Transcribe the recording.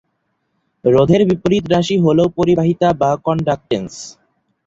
রোধের বিপরীত রাশি হলো পরিবাহিতা বা কন্ডাক্টেন্স।